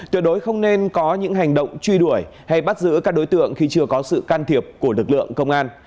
tuyệt đối không nên có những hành động truy đuổi hay bắt giữ các đối tượng khi chưa có sự can thiệp của lực lượng công an